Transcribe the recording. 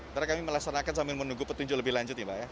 nanti kami melaksanakan sambil menunggu petunjuk lebih lanjut ya pak ya